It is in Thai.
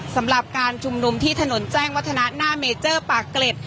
สำหรับการชุมนุมที่ถนนแจ้งวัฒนะหน้าเมเจอร์ปากเกร็ด